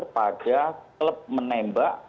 pada klub menembak